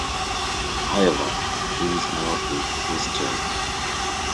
However this is now in question.